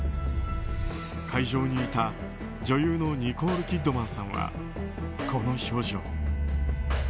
会場にいた女優のニコール・キッドマンさんはこの表情。